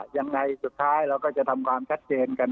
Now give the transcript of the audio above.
ยังไงสุดท้ายเราก็จะทำความชัดเจนกัน